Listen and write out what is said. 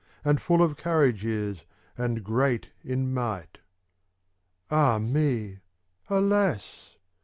And full of courage is, and great in might." "Ah me! Alas!"